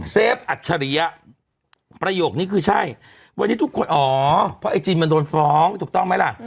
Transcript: เฟฟอัจฉริยะประโยคนี้คือใช่วันนี้ทุกคนอ๋อเพราะไอ้จีนมันโดนฟ้องถูกต้องไหมล่ะ